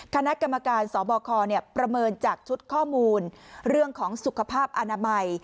คณะกรรมการสบคประเมินจากชุดข้อมูลเรื่องของสุขภาพอนามัย